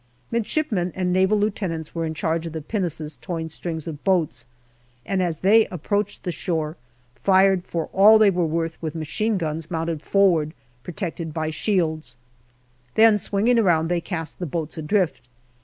Midshipmen and Naval Lieutenants were in charge of the pinnaces towing strings of boats, and as they approached the shore, fired for all they were worth with machine guns mounted forward, protected by shields. APRIL 37 Then, swinging round, they cast the boats adrift.